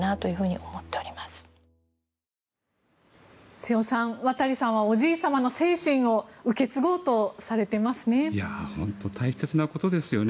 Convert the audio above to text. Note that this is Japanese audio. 瀬尾さん、和多利さんはおじい様の精神を受け継ごうとされていますね。